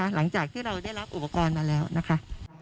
หลังจากที่เราได้รับอุปกรณ์มาแล้วนะคะ